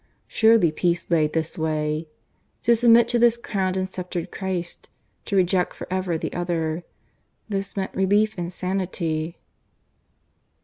Surely peace lay this way. To submit to this crowned and sceptred Christ; to reject for ever the other this meant relief and sanity.